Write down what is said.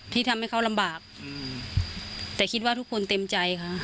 ที่ทำให้เขาลำบากอืมแต่คิดว่าทุกคนเต็มใจค่ะ